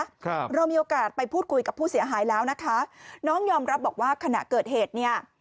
ครับเรามีโอกาสไปพูดคุยกับผู้เสียหายแล้วนะคะน้องยอมรับบอกว่าขณะเกิดเหตุเนี้ย